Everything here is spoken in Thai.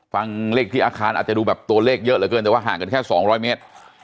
ฟังเลขที่อาคารอาจจะดูแบบตัวเลขเยอะเหลือเกินแต่ว่าห่างกันแค่๒๐๐เมตร